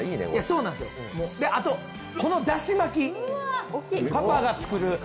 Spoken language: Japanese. あと、このだし巻き、パパが作る。